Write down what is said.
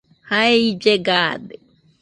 Jae ille gaade.